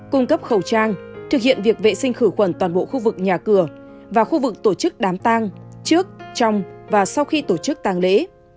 cung cấp khẩu trang thực hiện việc vệ sinh khử khuẩn toàn bộ khu vực nhà cửa và khu vực tổ chức đám tang trước trong và sau khi tổ chức tăng lễ